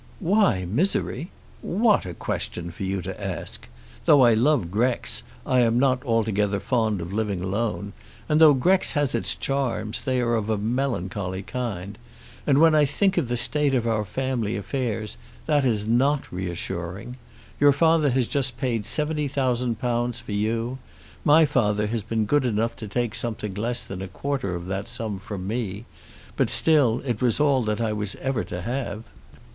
"Why misery! What a question for you to ask! Though I love Grex, I am not altogether fond of living alone; and though Grex has its charms, they are of a melancholy kind. And when I think of the state of our family affairs, that is not reassuring. Your father has just paid seventy thousand pounds for you. My father has been good enough to take something less than a quarter of that sum from me; but still it was all that I was ever to have."